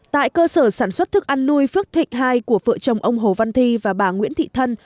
tại cơ sở sản xuất thức ăn nuôi phước thịnh hai của vợ chồng ông hồ văn thi và bà nguyễn thị thân